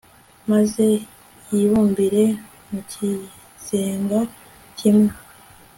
maze yibumbire mu kizenga kimwe